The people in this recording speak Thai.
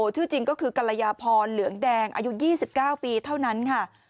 ชื่อจริงก็คือกรยาพรเหลืองแดงอายุ๒๙ปีเท่านั้นค่ะ